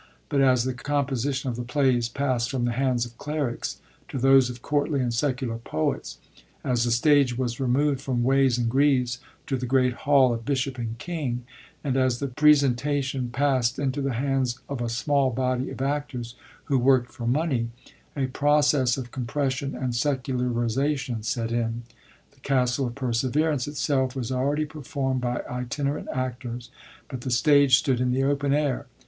But as the composition of the plays past from the hands of clerics to those of coiu*tly and secular poets, as the stage was removed from 'ways and greaves,* to the great hall of bishop and king, and as the presentation past into the hands of a small body of actors who workt for money, a process of compression and secularisation set in. The Castle of PerseveraTice itself was already performd by itinerant actors,'* but the stage stood in the open air.